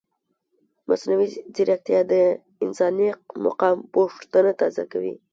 مصنوعي ځیرکتیا د انساني مقام پوښتنه تازه کوي.